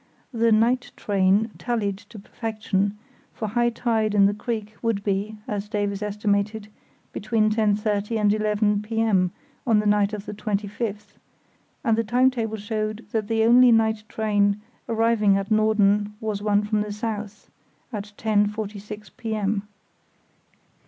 The "night train" tallied to perfection, for high tide in the creek would be, as Davies estimated, between 10.30 and 11 p.m. on the night of the 25th; and the time table showed that the only night train arriving at Norden was one from the south at 10.46 p.m.